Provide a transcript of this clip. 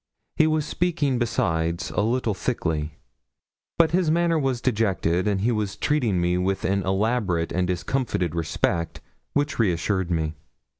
He was speaking, besides, a little thickly; but his manner was dejected, and he was treating me with an elaborate and discomfited respect which reassured me.